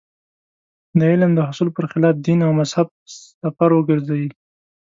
د علم د حصول پر خلاف دین او مذهب سپر وګرځي.